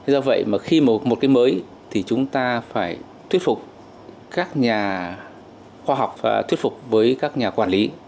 do vậy mà khi một cái mới thì chúng ta phải thuyết phục các nhà khoa học thuyết phục với các nhà quản lý